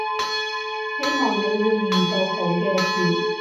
希望你會遇到好嘅事